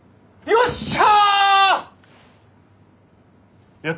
よっしゃ。